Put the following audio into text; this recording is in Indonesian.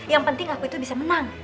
yang penting aku itu bisa menang